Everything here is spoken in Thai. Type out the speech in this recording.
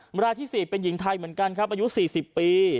เวลาที่๔เป็นหญิงไทยเหมือนกันครับอายุ๔๐ปี